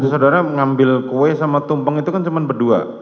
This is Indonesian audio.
tentu saudara mengambil kue sama tumpang itu kan cuma berdua